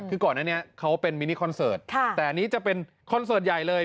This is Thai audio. คือก่อนนี้เขาเป็นมินิคอนเซิร์ทค่ะแต่นี้จะเป็นคอนเซิร์ทใหญ่เลย